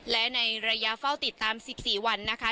และในระยะเฝ้าติดตาม๑๔วันนะคะ